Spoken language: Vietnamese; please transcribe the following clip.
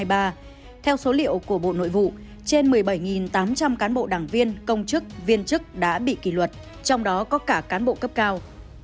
năm tháng bảy mươi hai năm hai nghìn hai mươi ba theo số liệu của bộ nội vụ trên một mươi bảy tám trăm linh cán bộ đảng viên công chức viên chức đã bị kỷ luật trong đó có cả cán bộ cấp cao